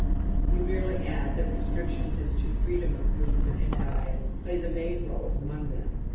We merely add thatf restrictions as to freedom of movement and diet play the main rdle among them.